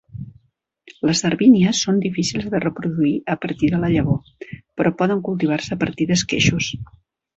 Les darwínies són difícils de reproduir a partir de la llavor, però poden cultivar-se a partir d'esqueixos.